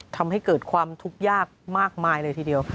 ทำให้เกิดความทุกข์ยากมากมายเลยทีเดียว